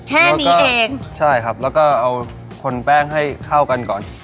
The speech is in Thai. แค่นี้เองใช่ครับแล้วก็เอาคนแป้งให้เข้ากันก่อน